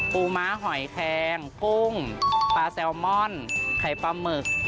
ม้าหอยแคงกุ้งปลาแซลมอนไข่ปลาหมึก